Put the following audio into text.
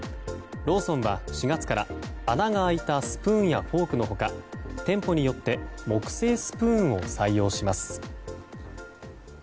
ローソンは４月から穴が開いたスプーンやフォークの他店舗によって木製スプーンを採用します。